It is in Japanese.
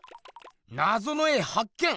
なぞの絵はっ見！